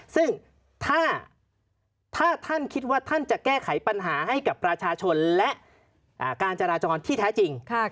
ซึ่งถ้าท่านคิดว่าท่านจะแก้ไขปัญหาให้กับประชาชนและการจราจรที่แท้จริง